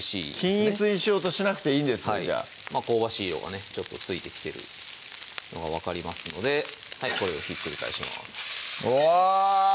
均一にしようとしなくていいんですねじゃあ香ばしい色がねちょっとついてきてるのが分かりますのでこれをひっくり返しますお！